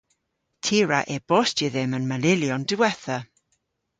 Ty a wra e-bostya dhymm an manylyon diwettha.